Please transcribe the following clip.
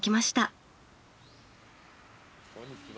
あっこんにちは。